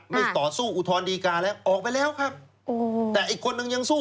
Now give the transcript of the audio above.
ต่อสู้อุทธรณดีการแล้วออกไปแล้วครับแต่อีกคนนึงยังสู้